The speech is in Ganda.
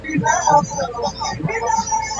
Wamma nneebaka munda yange ncamuse.